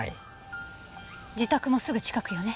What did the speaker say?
自宅もすぐ近くよね。